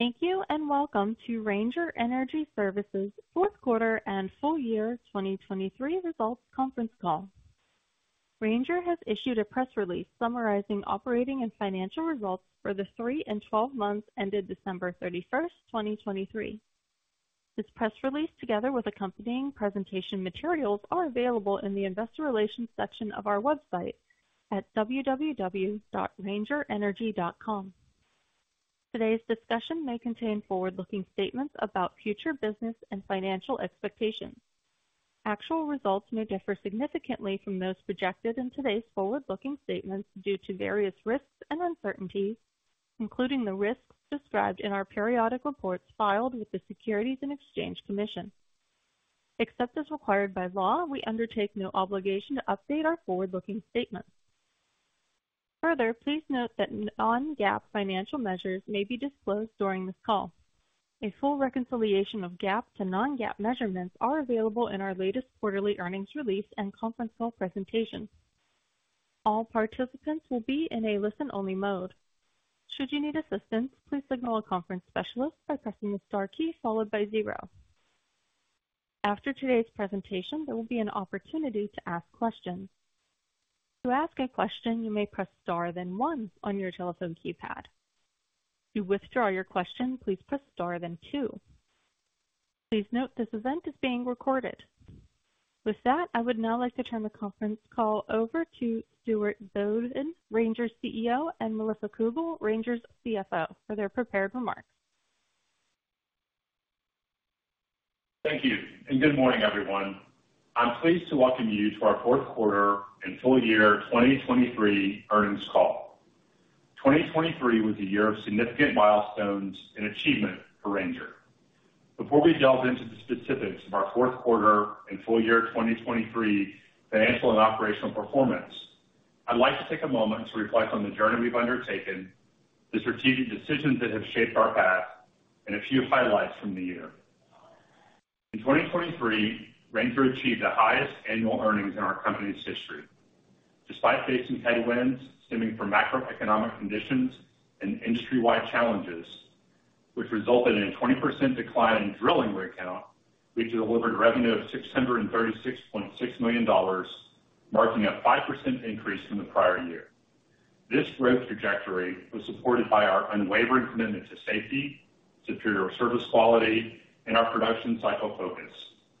Thank you, and welcome to Ranger Energy Services' fourth quarter and full year 2023 results conference call. Ranger has issued a press release summarizing operating and financial results for the three and twelve months ended December 31st, 2023. This press release, together with accompanying presentation materials, are available in the Investor Relations section of our website at www.rangerenergy.com. Today's discussion may contain forward-looking statements about future business and financial expectations. Actual results may differ significantly from those projected in today's forward-looking statements due to various risks and uncertainties, including the risks described in our periodic reports filed with the Securities and Exchange Commission. Except as required by law, we undertake no obligation to update our forward-looking statements. Further, please note that non-GAAP financial measures may be disclosed during this call. A full reconciliation of GAAP to non-GAAP measurements are available in our latest quarterly earnings release and conference call presentation. All participants will be in a listen-only mode. Should you need assistance, please signal a conference specialist by pressing the star key followed by zero. After today's presentation, there will be an opportunity to ask questions. To ask a question, you may press Star, then one on your telephone keypad. To withdraw your question, please press Star, then two. Please note, this event is being recorded. With that, I would now like to turn the conference call over to Stuart Bowden, Ranger CEO, and Melissa Cougle, Ranger's CFO, for their prepared remarks. Thank you, and good morning, everyone. I'm pleased to welcome you to our fourth quarter and full year 2023 earnings call. 2023 was a year of significant milestones and achievement for Ranger. Before we delve into the specifics of our fourth quarter and full year 2023 financial and operational performance, I'd like to take a moment to reflect on the journey we've undertaken, the strategic decisions that have shaped our path, and a few highlights from the year. In 2023, Ranger achieved the highest annual earnings in our company's history. Despite facing headwinds stemming from macroeconomic conditions and industry-wide challenges, which resulted in a 20% decline in drilling rig count, we delivered revenue of $636.6 million, marking a 5% increase from the prior year. This growth trajectory was supported by our unwavering commitment to safety, superior service quality, and our production cycle focus,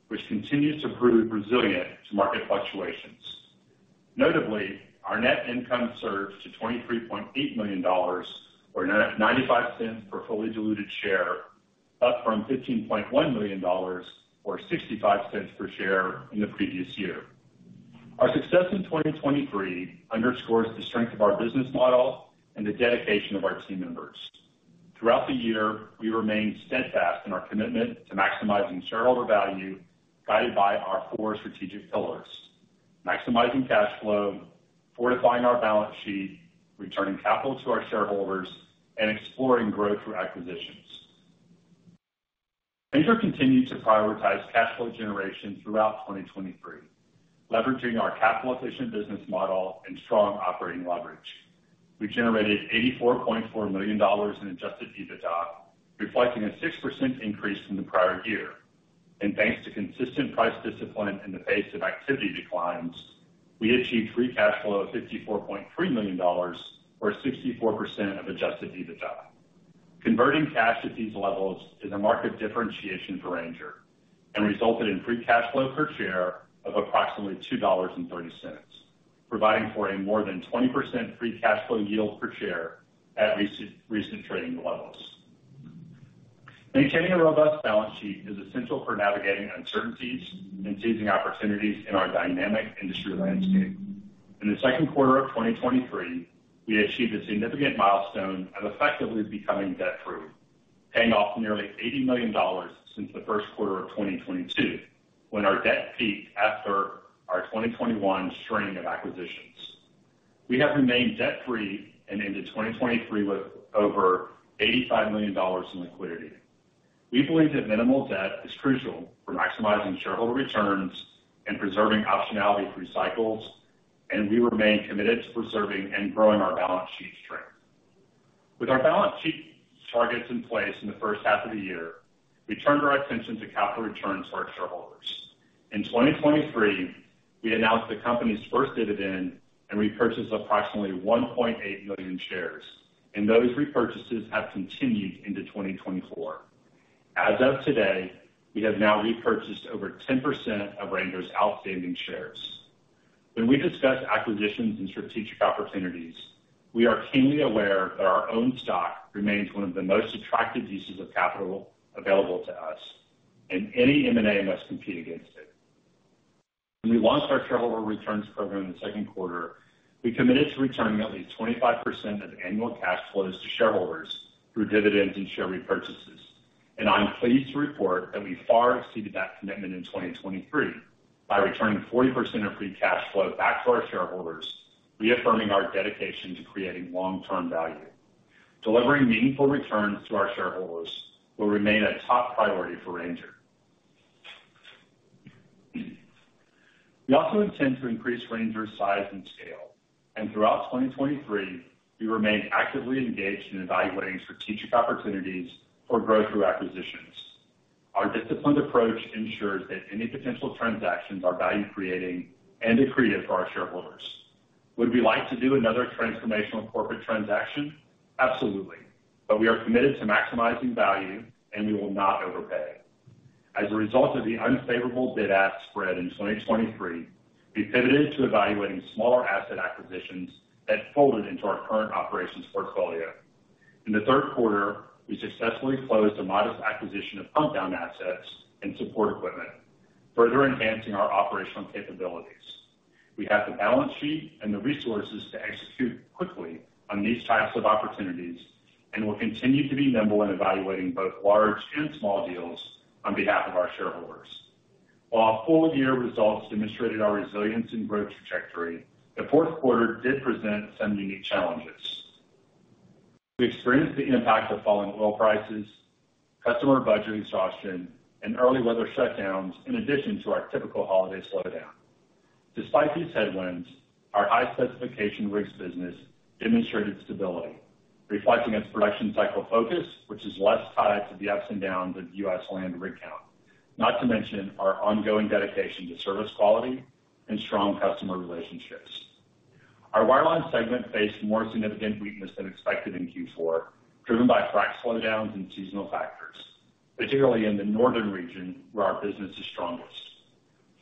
which continues to prove resilient to market fluctuations. Notably, our net income surged to $23.8 million, or $0.95 per fully diluted share, up from $15.1 million, or $0.65 per share in the previous year. Our success in 2023 underscores the strength of our business model and the dedication of our team members. Throughout the year, we remained steadfast in our commitment to maximizing shareholder value, guided by our four strategic pillars: maximizing cash flow, fortifying our balance sheet, returning capital to our shareholders, and exploring growth through acquisitions. Ranger continued to prioritize cash flow generation throughout 2023, leveraging our capital-efficient business model and strong operating leverage. We generated $84.4 million in adjusted EBITDA, reflecting a 6% increase from the prior year. Thanks to consistent price discipline and the pace of activity declines, we achieved free cash flow of $54.3 million, or 64% of adjusted EBITDA. Converting cash at these levels is a market differentiation for Ranger and resulted in free cash flow per share of approximately $2.30, providing for a more than 20% free cash flow yield per share at recent, recent trading levels. Maintaining a robust balance sheet is essential for navigating uncertainties and seizing opportunities in our dynamic industry landscape. In the second quarter of 2023, we achieved a significant milestone of effectively becoming debt-free, paying off nearly $80 million since the first quarter of 2022, when our debt peaked after our 2021 string of acquisitions. We have remained debt-free and into 2023 with over $85 million in liquidity. We believe that minimal debt is crucial for maximizing shareholder returns and preserving optionality through cycles, and we remain committed to preserving and growing our balance sheet strength. With our balance sheet targets in place in the first half of the year, we turned our attention to capital returns for our shareholders. In 2023, we announced the company's first dividend and repurchased approximately 1.8 million shares, and those repurchases have continued into 2024. As of today, we have now repurchased over 10% of Ranger's outstanding shares. When we discuss acquisitions and strategic opportunities, we are keenly aware that our own stock remains one of the most attractive uses of capital available to us, and any M&A must compete against it. When we launched our shareholder returns program in the second quarter, we committed to returning at least 25% of annual cash flows to shareholders through dividends and share repurchases. I'm pleased to report that we far exceeded that commitment in 2023 by returning 40% of free cash flow back to our shareholders, reaffirming our dedication to creating long-term value. Delivering meaningful returns to our shareholders will remain a top priority for Ranger. We also intend to increase Ranger's size and scale, and throughout 2023, we remained actively engaged in evaluating strategic opportunities for growth through acquisitions. Our disciplined approach ensures that any potential transactions are value creating and accretive for our shareholders. Would we like to do another transformational corporate transaction? Absolutely, but we are committed to maximizing value, and we will not overpay. As a result of the unfavorable bid-ask spread in 2023, we pivoted to evaluating smaller asset acquisitions that folded into our current operations portfolio. In the third quarter, we successfully closed a modest acquisition of pump down assets and support equipment, further enhancing our operational capabilities. We have the balance sheet and the resources to execute quickly on these types of opportunities, and will continue to be nimble in evaluating both large and small deals on behalf of our shareholders. While our full year results demonstrated our resilience and growth trajectory, the fourth quarter did present some unique challenges. We experienced the impact of falling oil prices, customer budget exhaustion, and early weather shutdowns, in addition to our typical holiday slowdown. Despite these headwinds, our high specification rigs business demonstrated stability, reflecting its production cycle focus, which is less tied to the ups and downs of U.S. land rig count, not to mention our ongoing dedication to service quality and strong customer relationships. Our wireline segment faced more significant weakness than expected in Q4, driven by frac slowdowns and seasonal factors, particularly in the Northern Region, where our business is strongest.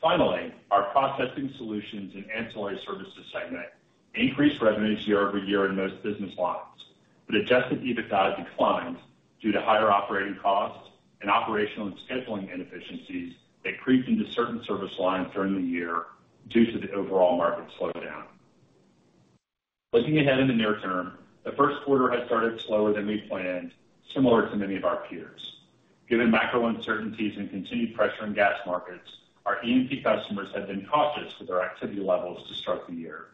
Finally, our processing solutions and ancillary services segment increased revenues year-over-year in most business lines, but Adjusted EBITDA declined due to higher operating costs and operational and scheduling inefficiencies that crept into certain service lines during the year due to the overall market slowdown. Looking ahead in the near term, the first quarter has started slower than we planned, similar to many of our peers. Given macro uncertainties and continued pressure in gas markets, our E&P customers have been cautious with their activity levels to start the year.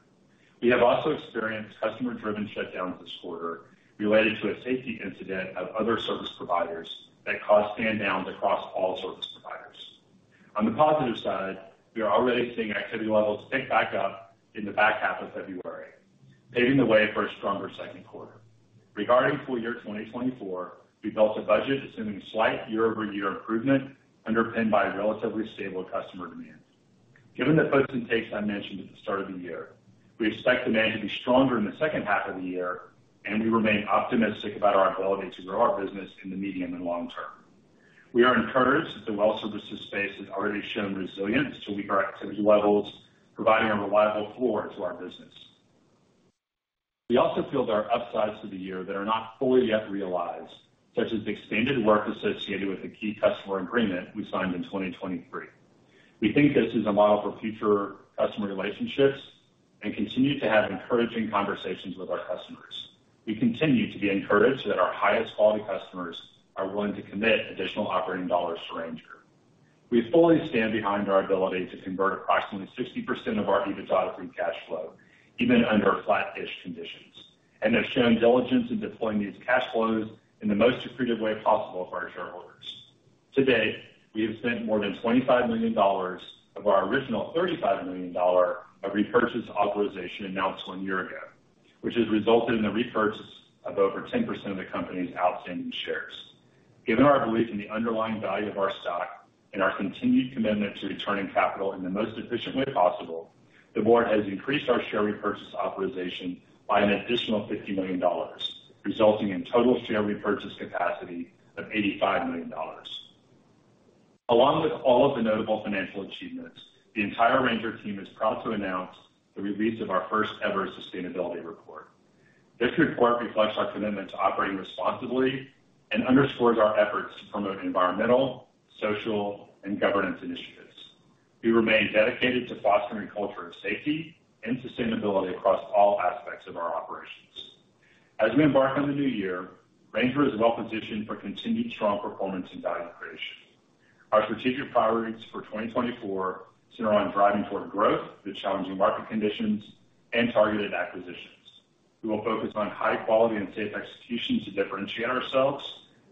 We have also experienced customer-driven shutdowns this quarter related to a safety incident of other service providers that caused stand downs across all service providers. On the positive side, we are already seeing activity levels pick back up in the back half of February, paving the way for a stronger second quarter. Regarding full year 2024, we built a budget assuming slight year-over-year improvement, underpinned by relatively stable customer demand. Given the puts and takes I mentioned at the start of the year, we expect demand to be stronger in the second half of the year, and we remain optimistic about our ability to grow our business in the medium and long term. We are encouraged that the well services space has already shown resilience to weaker activity levels, providing a reliable floor to our business. We also feel there are upsides to the year that are not fully yet realized, such as extended work associated with a key customer agreement we signed in 2023. We think this is a model for future customer relationships and continue to have encouraging conversations with our customers. We continue to be encouraged that our highest quality customers are willing to commit additional operating dollars to Ranger. We fully stand behind our ability to convert approximately 60% of our EBITDA free cash flow, even under flattish conditions, and have shown diligence in deploying these cash flows in the most accretive way possible for our shareholders. Today, we have spent more than $25 million of our original $35 million repurchase authorization announced one year ago, which has resulted in the repurchase of over 10% of the company's outstanding shares. Given our belief in the underlying value of our stock and our continued commitment to returning capital in the most efficient way possible, the board has increased our share repurchase authorization by an additional $50 million, resulting in total share repurchase capacity of $85 million. Along with all of the notable financial achievements, the entire Ranger team is proud to announce the release of our first-ever sustainability report. This report reflects our commitment to operating responsibly and underscores our efforts to promote environmental, social, and governance initiatives. We remain dedicated to fostering a culture of safety and sustainability across all aspects of our operations. As we embark on the new year, Ranger is well positioned for continued strong performance and value creation. Our strategic priorities for 2024 center on driving toward growth through challenging market conditions and targeted acquisitions. We will focus on high quality and safe execution to differentiate ourselves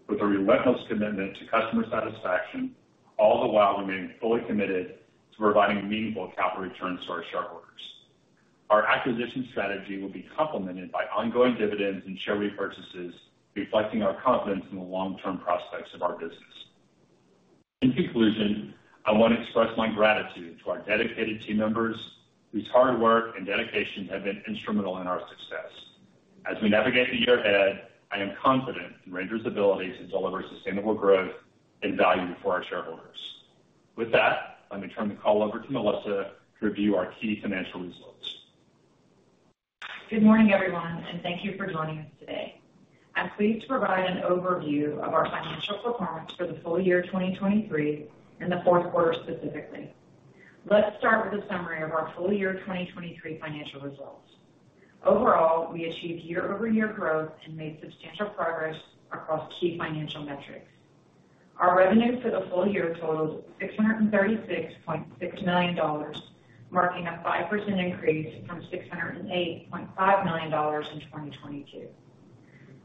with a relentless commitment to customer satisfaction, all the while remaining fully committed to providing meaningful capital returns to our shareholders. Our acquisition strategy will be complemented by ongoing dividends and share repurchases, reflecting our confidence in the long-term prospects of our business. In conclusion, I want to express my gratitude to our dedicated team members, whose hard work and dedication have been instrumental in our success. As we navigate the year ahead, I am confident in Ranger's ability to deliver sustainable growth and value for our shareholders. With that, let me turn the call over to Melissa to review our key financial results. Good morning, everyone, and thank you for joining us today. I'm pleased to provide an overview of our financial performance for the full year 2023 and the fourth quarter specifically. Let's start with a summary of our full year 2023 financial results. Overall, we achieved year-over-year growth and made substantial progress across key financial metrics. Our revenues for the full year totaled $636.6 million, marking a 5% increase from $608.5 million in 2022.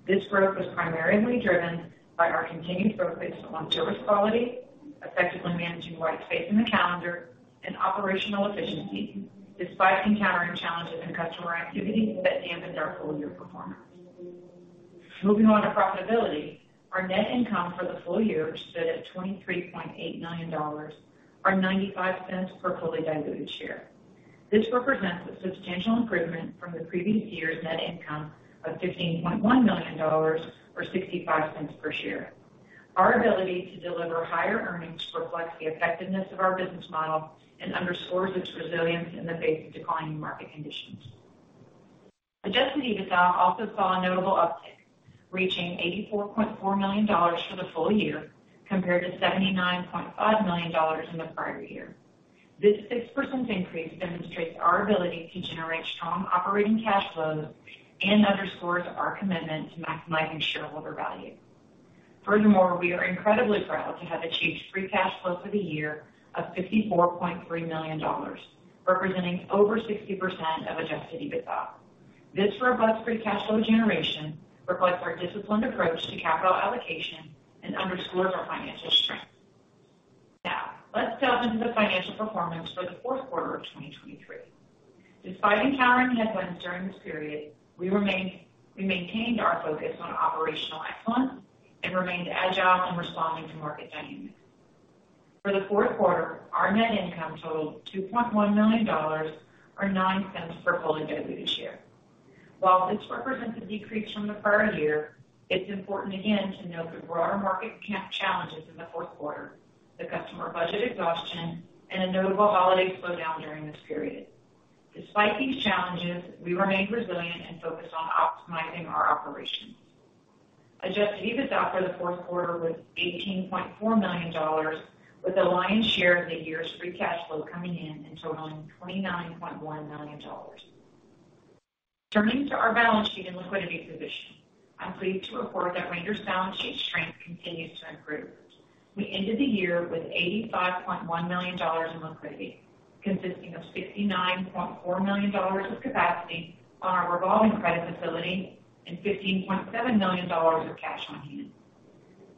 This growth was primarily driven by our continued focus on service quality, effectively managing white space in the calendar, and operational efficiency, despite encountering challenges in customer activity that dampened our full year performance. Moving on to profitability, our net income for the full year stood at $23.8 million, or $0.95 per fully diluted share. This represents a substantial improvement from the previous year's net income of $15.1 million or $0.65 per share. Our ability to deliver higher earnings reflects the effectiveness of our business model and underscores its resilience in the face of declining market conditions. Adjusted EBITDA also saw a notable uptick, reaching $84.4 million for the full year, compared to $79.5 million in the prior year. This 6% increase demonstrates our ability to generate strong operating cash flows and underscores our commitment to maximizing shareholder value. Furthermore, we are incredibly proud to have achieved free cash flow for the year of $54.3 million, representing over 60% of Adjusted EBITDA. This robust free cash flow generation reflects our disciplined approach to capital allocation and underscores our financial strength. Now, let's delve into the financial performance for the fourth quarter of 2023. Despite encountering headwinds during this period, we maintained our focus on operational excellence and remained agile in responding to market dynamics. For the fourth quarter, our net income totaled $2.1 million, or $0.09 per fully diluted share. While this represents a decrease from the prior year, it's important again to note the broader market challenges in the fourth quarter, the customer budget exhaustion, and a notable holiday slowdown during this period. Despite these challenges, we remained resilient and focused on optimizing our operations. Adjusted EBITDA for the fourth quarter was $18.4 million, with the lion's share of the year's free cash flow coming in and totaling $29.1 million. Turning to our balance sheet and liquidity position, I'm pleased to report that Ranger's balance sheet strength continues to improve. We ended the year with $85.1 million in liquidity, consisting of $69.4 million of capacity on our revolving credit facility and $15.7 million of cash on hand.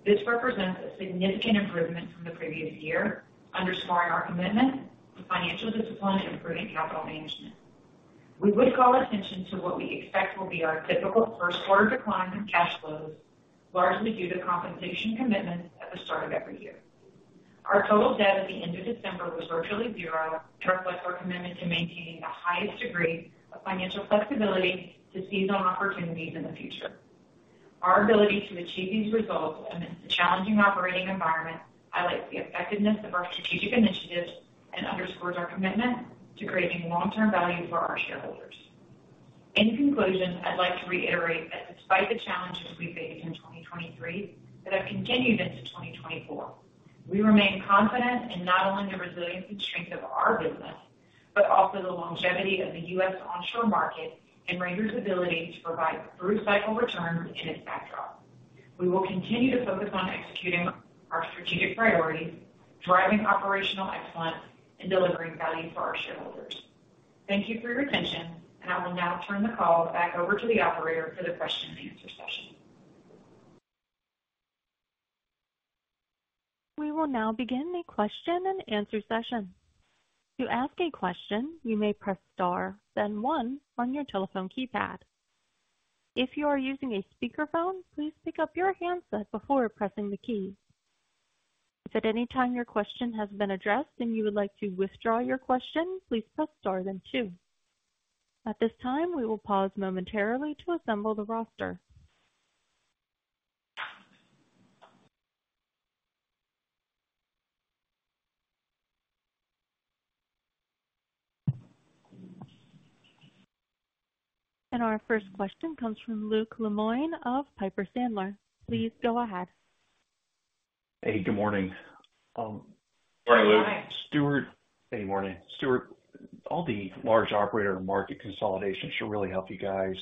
This represents a significant improvement from the previous year, underscoring our commitment to financial discipline and improving capital management. We would call attention to what we expect will be our typical first quarter decline in cash flows, largely due to compensation commitments at the start of every year. Our total debt at the end of December was virtually zero and reflects our commitment to maintaining the highest degree of financial flexibility to seize on opportunities in the future. Our ability to achieve these results amidst a challenging operating environment highlights the effectiveness of our strategic initiatives and underscores our commitment to creating long-term value for our shareholders. In conclusion, I'd like to reiterate that despite the challenges we faced in 2023, that have continued into 2024, we remain confident in not only the resilience and strength of our business, but also the longevity of the U.S. onshore market and Ranger's ability to provide through-cycle returns in its backdrop. We will continue to focus on executing our strategic priorities, driving operational excellence, and delivering value for our shareholders. Thank you for your attention, and I will now turn the call back over to the operator for the question and answer session. We will now begin the question and answer session. To ask a question, you may press star, then one on your telephone keypad. If you are using a speakerphone, please pick up your handset before pressing the key. If at any time your question has been addressed and you would like to withdraw your question, please press star then two. At this time, we will pause momentarily to assemble the roster. Our first question comes from Luke Lemoine of Piper Sandler. Please go ahead. Hey, good morning. Good morning. Stuart. Hey, morning. Stuart, all the large operator market consolidation should really help you guys.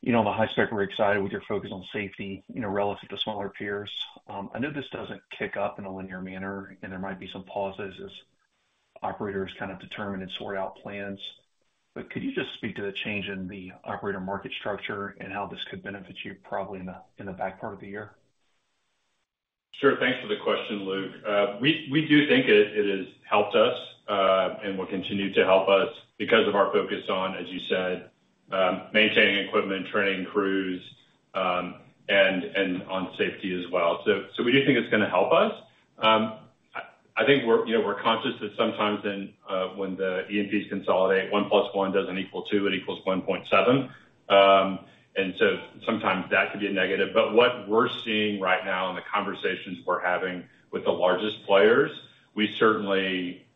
You know, on the high spec, we're excited with your focus on safety, you know, relative to smaller peers. I know this doesn't kick up in a linear manner, and there might be some pauses as operators kind of determine and sort out plans. But could you just speak to the change in the operator market structure and how this could benefit you probably in the, in the back part of the year? Sure. Thanks for the question, Luke. We, we do think it, it has helped us, and will continue to help us because of our focus on, as you said, maintaining equipment, training crews, and, and on safety as well. So, so we do think it's gonna help us. I, I think we're, you know, we're conscious that sometimes in, when the E&Ps consolidate, one plus one doesn't equal two, it equals 1.7. And so sometimes that could be a negative. But what we're seeing right now in the conversations we're having with the largest players, we certainly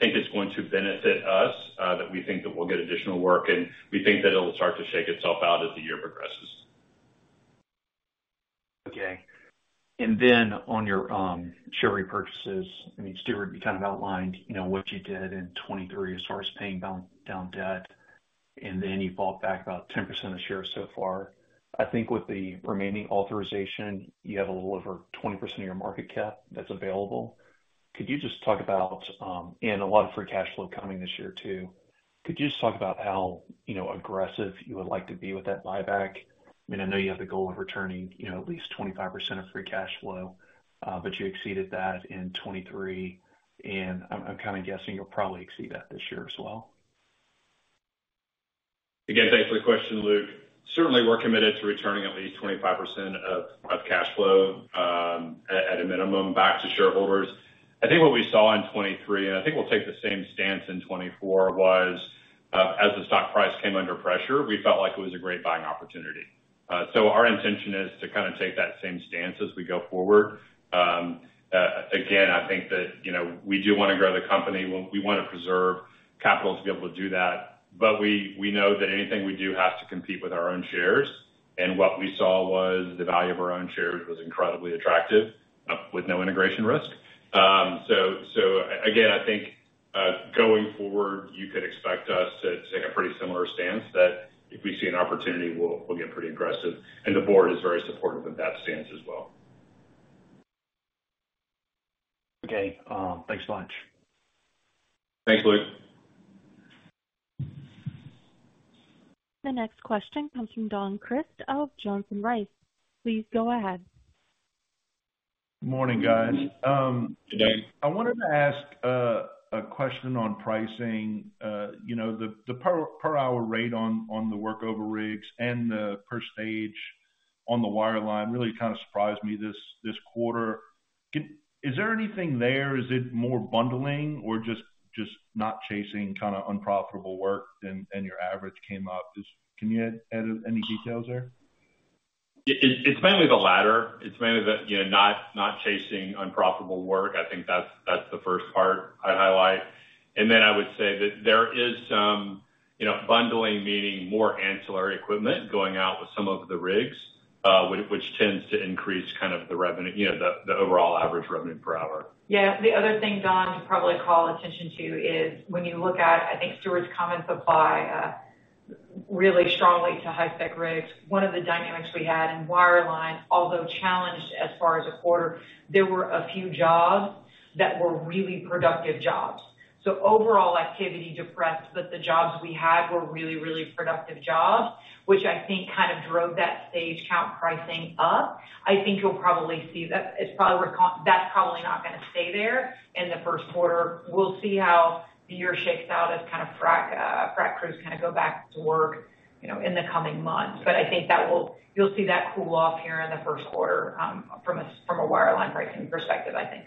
think it's going to benefit us, that we think that we'll get additional work, and we think that it'll start to shake itself out as the year progresses. Okay. And then on your share repurchases, I mean, Stuart, you kind of outlined, you know, what you did in 2023 as far as paying down down debt, and then you bought back about 10% of shares so far. I think with the remaining authorization, you have a little over 20% of your market cap that's available. Could you just talk about and a lot of free cash flow coming this year, too? Could you just talk about how, you know, aggressive you would like to be with that buyback? I mean, I know you have the goal of returning, you know, at least 25% of free cash flow, but you exceeded that in 2023, and I'm kind of guessing you'll probably exceed that this year as well. Again, thanks for the question, Luke. Certainly, we're committed to returning at least 25% of cash flow at a minimum back to shareholders. I think what we saw in 2023, and I think we'll take the same stance in 2024, was as the stock price came under pressure, we felt like it was a great buying opportunity. So our intention is to kind of take that same stance as we go forward. Again, I think that, you know, we do wanna grow the company. We wanna preserve capital to be able to do that, but we know that anything we do has to compete with our own shares, and what we saw was the value of our own shares was incredibly attractive with no integration risk. So again, I think, going forward, you could expect us to take a pretty similar stance, that if we see an opportunity, we'll get pretty aggressive, and the board is very supportive of that stance as well. Okay. Thanks a bunch. Thanks, Luke. The next question comes from Don Crist of Johnson Rice. Please go ahead. Morning, guys. Good day. I wanted to ask a question on pricing. You know, the per-hour rate on the workover rigs and the per stage on the wireline really kind of surprised me this quarter. Can? Is there anything there? Is it more bundling or just not chasing kind of unprofitable work and your average came up? Just can you add any details there? Yeah, it's mainly the latter. It's mainly the, you know, not chasing unprofitable work. I think that's the first part I'd highlight. And then I would say that there is some, you know, bundling, meaning more ancillary equipment going out with some of the rigs, which tends to increase kind of the revenue, you know, the overall average revenue per hour. Yeah. The other thing, Don, to probably call attention to is when you look at, I think Stuart's comments apply really strongly to high spec rigs. One of the dynamics we had in wireline, although challenged as far as a quarter, there were a few jobs that were really productive jobs. So overall activity depressed, but the jobs we had were really, really productive jobs, which I think kind of drove that stage count pricing up. I think you'll probably see that it's probably that's probably not gonna stay there in the first quarter. We'll see how the year shakes out as kind of frac frac crews kind of go back to work, you know, in the coming months. But I think that will... you'll see that cool off here in the first quarter from a, from a wireline pricing perspective, I think.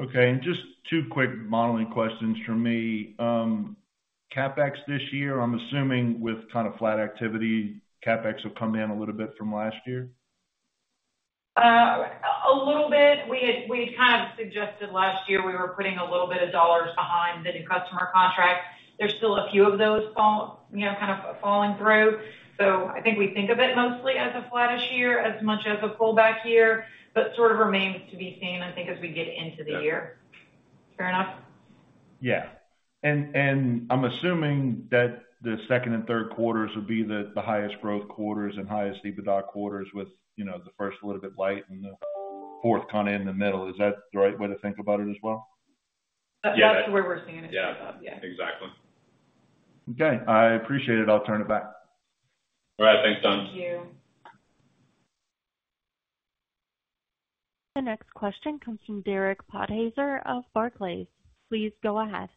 Okay, just two quick modeling questions from me. CapEx this year, I'm assuming with kind of flat activity, CapEx will come in a little bit from last year? A little bit. We had kind of suggested last year we were putting a little bit of dollars behind the new customer contracts. There's still a few of those falling you know, kind of falling through. So I think we think of it mostly as a flattish year, as much as a pullback year, but sort of remains to be seen, I think, as we get into the year. Yeah. Fair enough? Yeah. And I'm assuming that the second and third quarters would be the highest growth quarters and highest EBITDA quarters with, you know, the first a little bit light and the fourth kind of in the middle. Is that the right way to think about it as well? That's Yeah where we're seeing it shape up, yeah. Exactly. Okay, I appreciate it. I'll turn it back. All right. Thanks, Don. Thank you. The next question comes from Derek Podhaizer of Barclays. Please go ahead.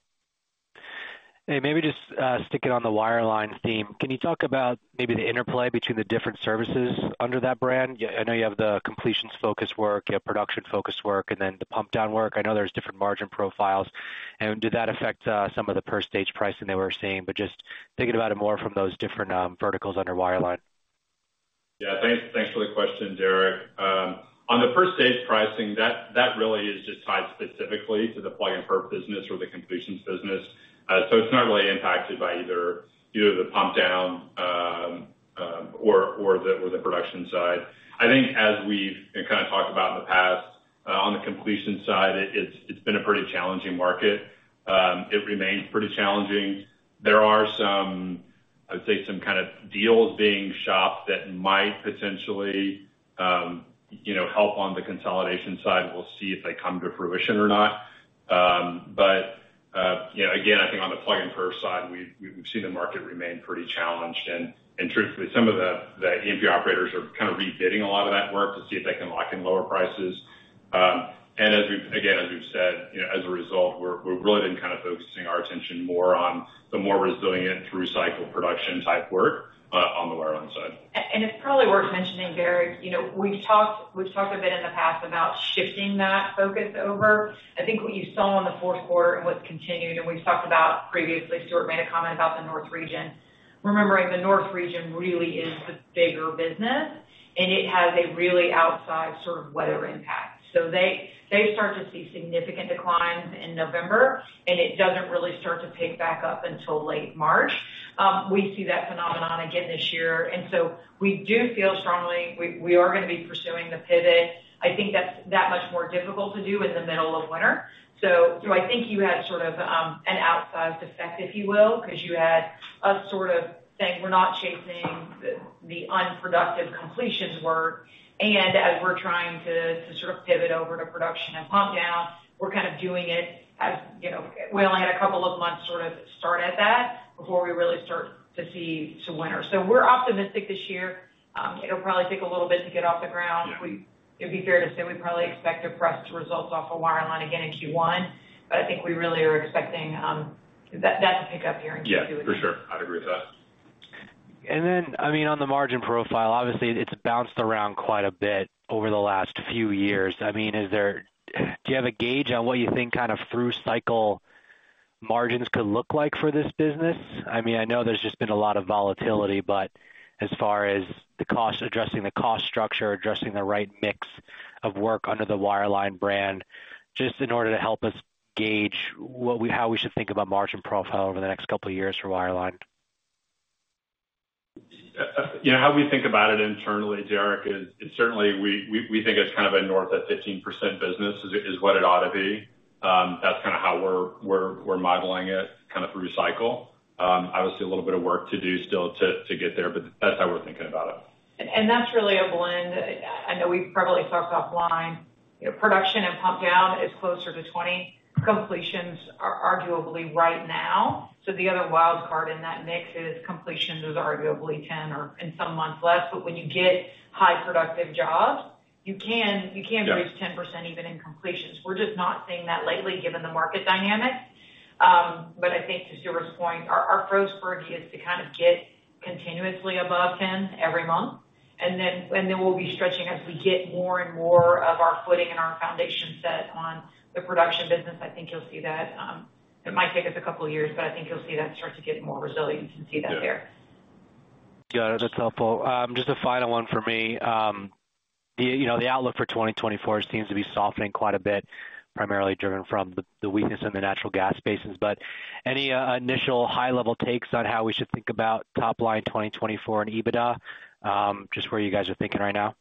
Hey, maybe just sticking on the wireline theme, can you talk about maybe the interplay between the different services under that brand? Yeah, I know you have the completions-focused work, you have production-focused work, and then the pump down work. I know there's different margin profiles. Did that affect some of the per stage pricing that we're seeing, but just thinking about it more from those different verticals under wireline? Yeah, thanks, thanks for the question, Derek. On the per stage pricing, that really is just tied specifically to the plug and perf business or the completions business. So it's not really impacted by either the pump down or the production side. I think as we've kind of talked about in the past, on the completion side, it's been a pretty challenging market. It remains pretty challenging. There are some, I would say, some kind of deals being shopped that might potentially, you know, help on the consolidation side. We'll see if they come to fruition or not. But you know, again, I think on the plug and perf side, we've seen the market remain pretty challenged, and truthfully, some of the E&P operators are kind of rebidding a lot of that work to see if they can lock in lower prices. And as we've said again, you know, as a result, we've really been kind of focusing our attention more on the more resilient through cycle production type work on the wireline side. It's probably worth mentioning, Derek, you know, we've talked, we've talked a bit in the past about shifting that focus over. I think what you saw in the fourth quarter and what's continued, and we've talked about previously, Stuart made a comment about the Northern Region. Remembering the Northern Region really is the bigger business, and it has a really outsized sort of weather impact. So they, they start to see significant declines in November, and it doesn't really start to pick back up until late March. We see that phenomenon again this year, and so we do feel strongly we, we are gonna be pursuing the pivot. I think that's that much more difficult to do in the middle of winter. So, so I think you had sort of an outsized effect, if you will, because you had us sort of saying, "We're not chasing the unproductive completions work." And as we're trying to sort of pivot over to production and pump down, we're kind of doing it as, you know. We only had a couple of months sort of start at that before we really start to see some winter. So we're optimistic this year. It'll probably take a little bit to get off the ground. Yeah. It'd be fair to say we probably expect depressed results off of Wireline again in Q1, but I think we really are expecting that to pick up here in Q2. Yeah, for sure. I'd agree with that. And then, I mean, on the margin profile, obviously, it's bounced around quite a bit over the last few years. I mean, do you have a gauge on what you think kind of through-cycle margins could look like for this business? I mean, I know there's just been a lot of volatility, but as far as the cost structure, addressing the right mix of work under the Wireline brand, just in order to help us gauge how we should think about margin profile over the next couple of years for Wireline. You know, how we think about it internally, Derek, is certainly we think it's kind of a north of 15% business, is what it ought to be. That's kind of how we're modeling it, kind of through cycle. Obviously, a little bit of work to do still to get there, but that's how we're thinking about it. That's really a blend. I know we've probably talked offline. You know, production and pump down is closer to 20. Completions are arguably right now, so the other wild card in that mix is completions is arguably 10 or in some months less. But when you get high productive jobs, you can Yeah reach 10%, even in completions. We're just not seeing that lately, given the market dynamics. But I think to Stuart's point, our, our approach for it is to kind of get continuously above 10 every month, and then, and then we'll be stretching as we get more and more of our footing and our foundation set on the production business. I think you'll see that, it might take us a couple of years, but I think you'll see that start to get more resilient and see that there. Yeah. Got it. That's helpful. Just a final one for me. You know, the outlook for 2024 seems to be softening quite a bit, primarily driven from the weakness in the natural gas basins. But any initial high-level takes on how we should think about top line 2024 and EBITDA, just where you guys are thinking right now?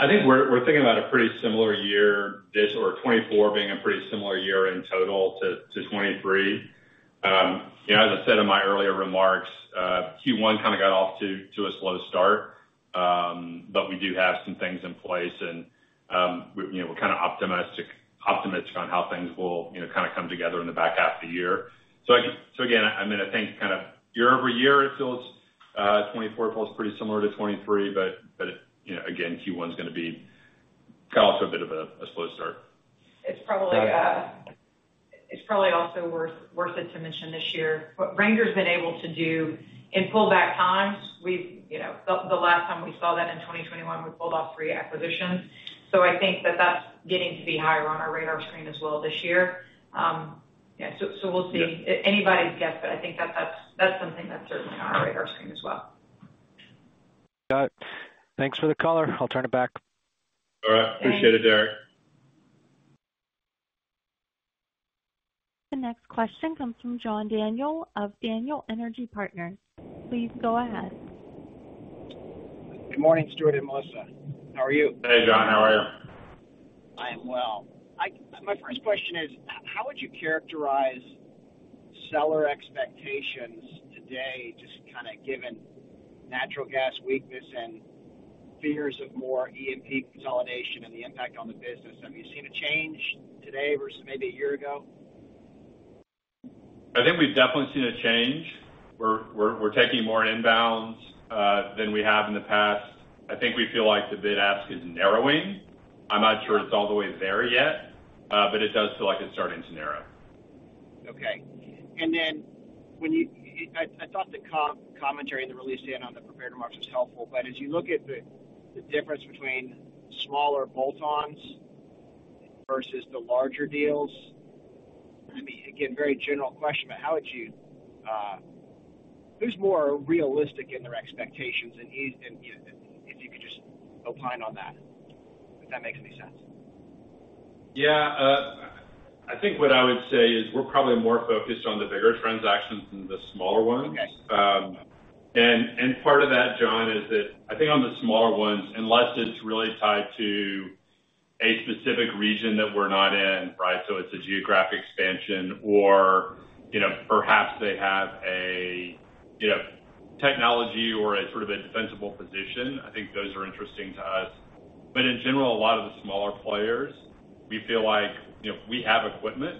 I think we're thinking about a pretty similar year, this or 2024 being a pretty similar year in total to 2023. You know, as I said in my earlier remarks, Q1 kind of got off to a slow start. But we do have some things in place, and we, you know, we're kind of optimistic on how things will, you know, kind of come together in the back half of the year. So again, I mean, I think kind of year-over-year, it feels, 2024 feels pretty similar to 2023, but, you know, again, Q1 is gonna be got off to a bit of a slow start. It's probably also worth it to mention this year what Ranger has been able to do in pullback times. You know, the last time we saw that in 2021, we pulled off three acquisitions. So I think that's getting to be higher on our radar screen as well this year. So we'll see. Yeah. Anybody's guess, but I think that that's, that's something that's certainly on our radar screen as well. Got it. Thanks for the color. I'll turn it back. All right. Thanks. Appreciate it, Derek. The next question comes from John Daniel of Daniel Energy Partners. Please go ahead. Good morning, Stuart and Melissa. How are you? Hey, John, how are you? I am well. My first question is: How would you characterize seller expectations today, just kind of given natural gas weakness and fears of more E&P consolidation and the impact on the business? Have you seen a change today versus maybe a year ago? I think we've definitely seen a change. We're taking more inbounds than we have in the past. I think we feel like the bid ask is narrowing. I'm not sure it's all the way there yet, but it does feel like it's starting to narrow. Okay. And then when you I thought the commentary in the release, and on the prepared remarks was helpful, but as you look at the difference between smaller bolt-ons versus the larger deals, I mean, again, very general question, but how would you who's more realistic in their expectations? And, you know, if you could just opine on that, if that makes any sense. Yeah, I think what I would say is we're probably more focused on the bigger transactions than the smaller ones. Okay. And part of that, John, is that I think on the smaller ones, unless it's really tied to a specific region that we're not in, right? So it's a geographic expansion or, you know, perhaps they have a, you know, technology or a sort of a defensible position. I think those are interesting to us. But in general, a lot of the smaller players, we feel like, you know, we have equipment,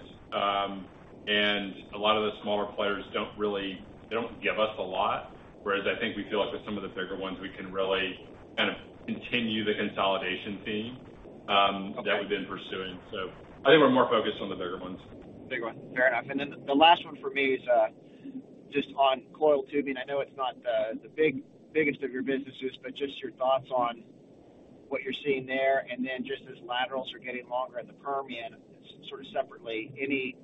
and a lot of the smaller players don't really, they don't give us a lot, whereas I think we feel like with some of the bigger ones, we can really kind of continue the consolidation theme, Okay that we've been pursuing. So I think we're more focused on the bigger ones. Bigger ones. Fair enough. And then the last one for me is just on coiled tubing. I know it's not the biggest of your businesses, but just your thoughts on what you're seeing there, and then just as laterals are getting longer in the Permian, sort of separately, any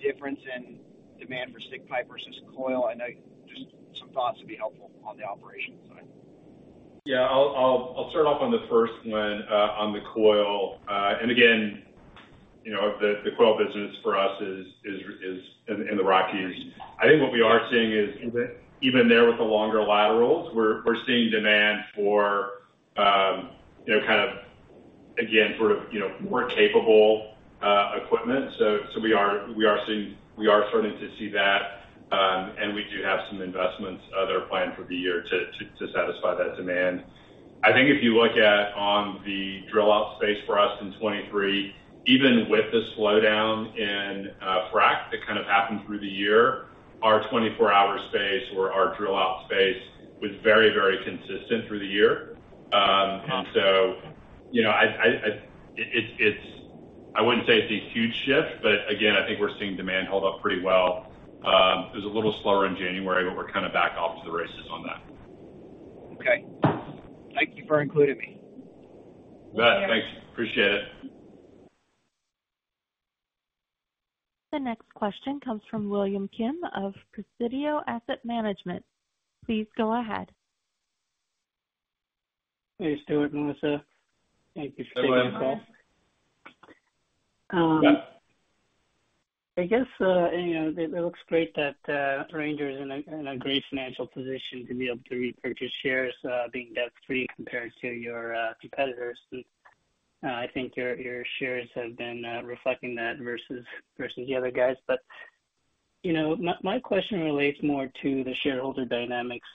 difference in demand for stick pipe versus coil? I know, just some thoughts would be helpful on the operations side. Yeah, I'll start off on the first one, on the coil. And again, you know, the coil business for us is in the Rockies. I think what we are seeing is, even there with the longer laterals, we're seeing demand for, you know, kind of, again, sort of, you know, more capable equipment. So we are seeing we are starting to see that. We do have some investments that are planned for the year to satisfy that demand. I think if you look at the drill-out space for us in 2023, even with the slowdown in frack that kind of happened through the year, our 24-hour space or our drill-out space was very consistent through the year. And so, you know, I wouldn't say it's a huge shift, but again, I think we're seeing demand hold up pretty well. It was a little slower in January, but we're kind of back off to the races on that. Okay. Thank you for including me. You bet. Thanks. Appreciate it. The next question comes from William Kim of Presidio Capital Management. Please go ahead. Hey, Stuart, Melissa. Thank you for taking the call. Hey, William. I guess, you know, it looks great that Ranger is in a great financial position to be able to repurchase shares, being debt-free compared to your competitors. And, I think your shares have been reflecting that versus the other guys. But, you know, my question relates more to the shareholder dynamics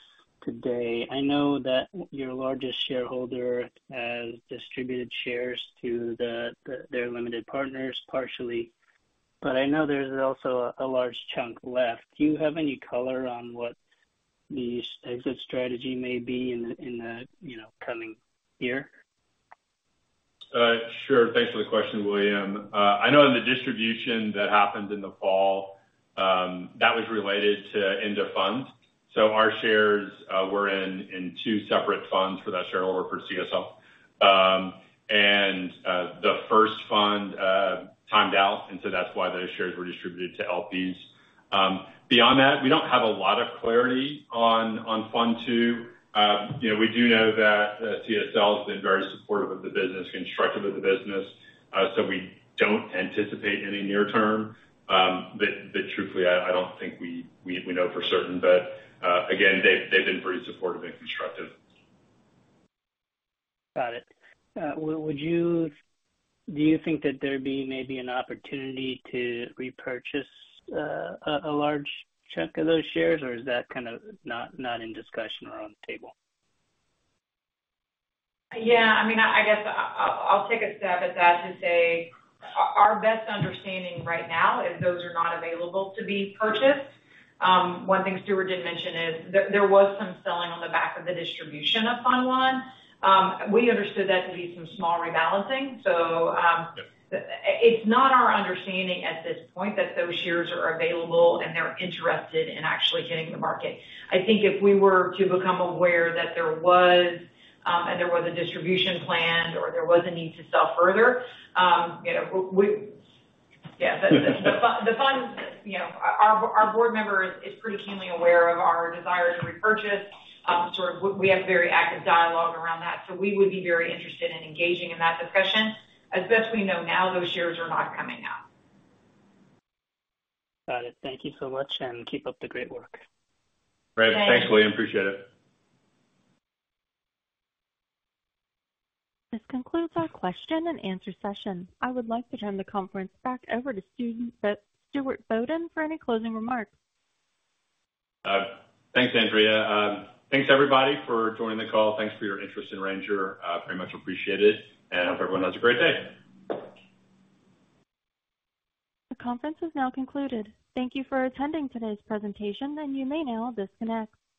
today. I know that your largest shareholder has distributed shares to their limited partners, partially, but I know there's also a large chunk left. Do you have any color on what the exit strategy may be in the, you know, coming year? Sure. Thanks for the question, William. I know in the distribution that happened in the fall, that was related to end of funds. So our shares were in two separate funds for that shareholder, for CSL. And the first fund timed out, and so that's why those shares were distributed to LPs. Beyond that, we don't have a lot of clarity on fund two. You know, we do know that CSL has been very supportive of the business, constructive of the business, so we don't anticipate any near term. But truthfully, I don't think we know for certain, but again, they've been pretty supportive and constructive. Got it. Do you think that there'd be maybe an opportunity to repurchase a large chunk of those shares, or is that kind of not in discussion or on the table? Yeah, I mean, I guess I'll take a stab at that to say, our best understanding right now is those are not available to be purchased. One thing Stuart did mention is there was some selling on the back of the distribution of fund one. We understood that to be some small rebalancing, so- Yes. It's not our understanding at this point that those shares are available, and they're interested in actually hitting the market. I think if we were to become aware that there was, and there was a distribution planned or there was a need to sell further, you know. But the fund, you know, our board member is pretty keenly aware of our desire to repurchase. Sort of we have very active dialogue around that, so we would be very interested in engaging in that discussion. As best we know now, those shares are not coming out. Got it. Thank you so much, and keep up the great work. Great. Thanks. Thanks, William. Appreciate it. This concludes our question and answer session. I would like to turn the conference back over to Stuart Bodden, for any closing remarks. Thanks, Andrea. Thanks, everybody, for joining the call. Thanks for your interest in Ranger. Very much appreciated, and I hope everyone has a great day. The conference is now concluded. Thank you for attending today's presentation, and you may now disconnect.